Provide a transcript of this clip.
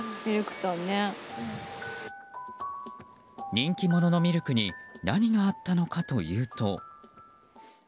人気者のミルクに何があったのかというと。